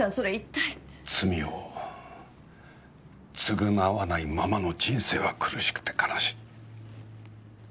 罪を償わないままの人生は苦しくて悲しい。